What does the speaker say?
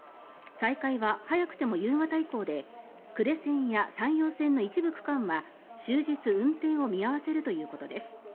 再開は早くても夕方以降で呉線や山陽線の一部区間は終日、運転を見合わせるということです。